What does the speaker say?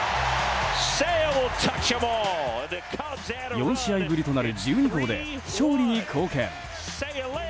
４試合ぶりとなる１２号で勝利に貢献！